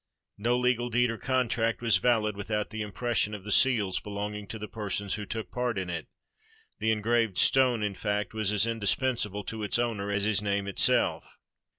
No legal deed or contract was valid without the impression of the seals belonging to the persons who took part in it; the engraved stone, in fact, was as indispensable to its owner as his name itself.